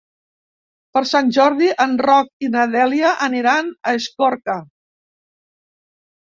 Per Sant Jordi en Roc i na Dèlia aniran a Escorca.